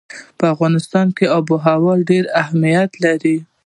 په افغانستان کې آب وهوا ډېر اهمیت لري.